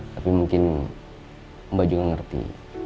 tapi mungkin mbak juga ngerti